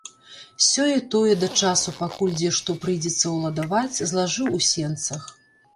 Сёе-тое да часу, пакуль дзе што прыйдзецца ўладаваць, злажыў у сенцах.